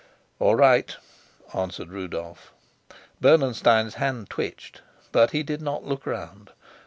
"All right," answered Rudolf. Bernenstein's hand twitched, but he did not look round.